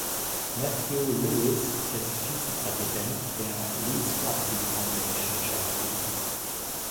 Matthew Lewis ist Vizepräsident der Leeds Rugby Foundation Charity.